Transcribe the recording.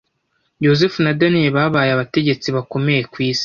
Yosefu na Daniyeli babaye abategetsi bakomeye ku isi,